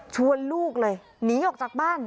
ลูกเลยหนีออกจากบ้าน